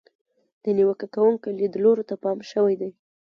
د نیوکه کوونکو لیدلورو ته پام شوی دی.